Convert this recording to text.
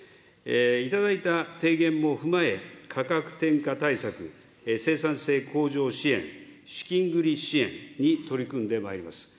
頂いた提言も踏まえ、価格転嫁対策、生産性向上支援、資金繰り支援に取り組んでまいります。